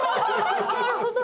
なるほど。